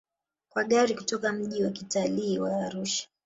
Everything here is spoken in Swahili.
Kwa gari kutoka mji wa kitalii wa Arusha